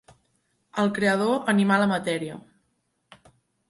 El Creador animà la matèria.